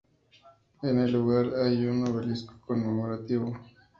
En el lugar hay un obelisco conmemorativo.